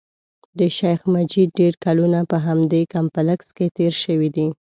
د شیخ مجید ډېر کلونه په همدې کمپلېکس کې تېر شوي دي.